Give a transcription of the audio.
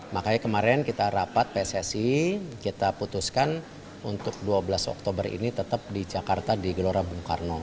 makanya kemarin kita rapat pssi kita putuskan untuk dua belas oktober ini tetap di jakarta di gelora bung karno